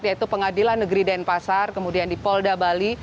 yaitu pengadilan negeri denpasar kemudian di polda bali